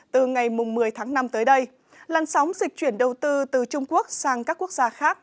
từ ngày một mươi tháng năm tới đây làn sóng dịch chuyển đầu tư từ trung quốc sang các quốc gia khác